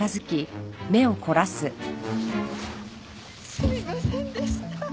すみませんでした。